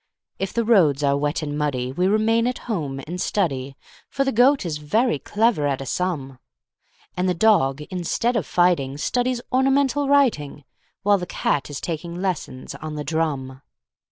If the roads are wet and muddyWe remain at home and study,—For the Goat is very clever at a sum,—And the Dog, instead of fighting, Studies ornamental writing, While the Cat is taking lessons on the drum.